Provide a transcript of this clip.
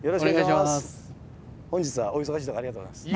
本日はお忙しいところありがとうございます。